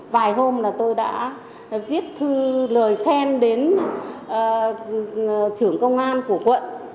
vài hôm là tôi đã viết thư lời khen đến trưởng công an của quận